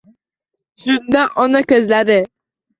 Shunda ona ko‘zlari